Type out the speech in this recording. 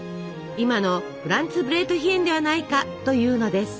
今のフランツブレートヒェンではないかというのです。